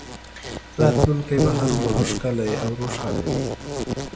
راتلونکی به هرومرو ښکلی او روښانه وي